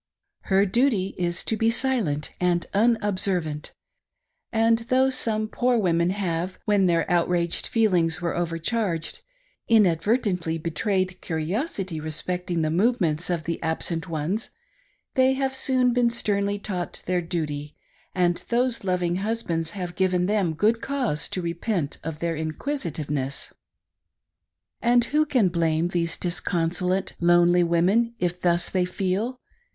Her duty is to be silent and unobservant ; and though some poor women have, when their outraged feelings were overcharged, inadvertently betrayed curiosity respecting the movements of the absent ones, they have soon been sternly taught their duty, and those loving husbands have given them good cause to repent of their inquisitiveness. And who can blame these disconsolate, lonely women if thus they feel.'